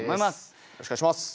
よろしくお願いします。